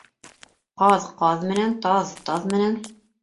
Ҡаҙ ҡаҙ менән, таҙ таҙ менән.